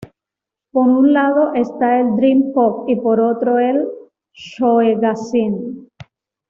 Por un lado está el Dream pop y por otro el Shoegazing.